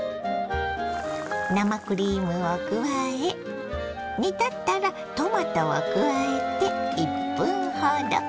生クリームを加え煮立ったらトマトを加えて１分ほど。